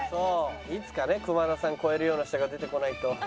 いつかね熊田さん超えるような人が出てこないと。